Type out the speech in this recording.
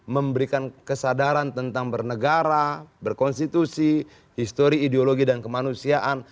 memberikan kesadaran tentang bernegara berkonstitusi histori ideologi dan kemanusiaan